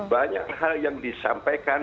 banyak hal yang disampaikan